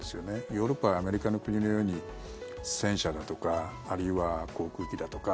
ヨーロッパやアメリカの国のように戦車だとかあるいは航空機だとか